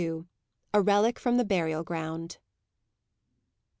A RELIC FROM THE BURIAL GROUND.